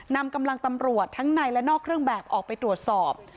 นำกำลังตำรวจทั้งในและนอกเครื่องแบบออกไปตรวจสอบ